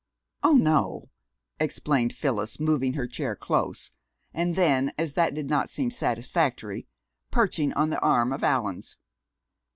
"Oh, no!" explained Phyllis, moving her chair close, and then, as that did not seem satisfactory, perching on the arm of Allan's.